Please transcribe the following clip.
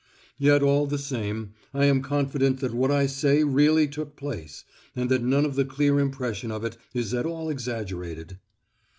Yet all the same, I am confident that what I say really took place, and that none of the clear impression of it is at all exaggerated.